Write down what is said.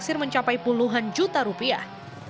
disir mencapai puluhan juta rupiah